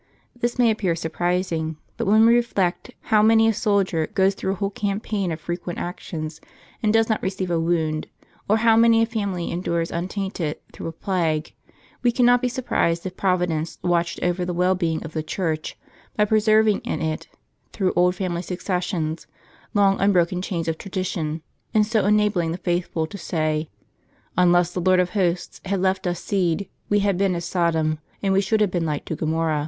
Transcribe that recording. This may appear surprising ; but when we reflect how many a soldier goes through a whole campaign of frequent actions and does not receive a wound; or how many a family remains untainted through a plague, we cannot be surprised if Provi dence watched over the well being of the Church, by preserv ing in it, through old family successions, long unbroken w chains of tradition, and so enabling the faithful to say :" Unless the Lord of Hosts had left us seed, we had been as Sodom, and we should have been like to Gomorrha."